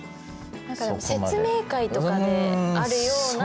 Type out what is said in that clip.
何か説明会とかであるような。